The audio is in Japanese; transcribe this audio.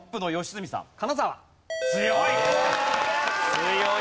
強い！